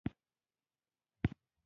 پخلا کیسه نه منله.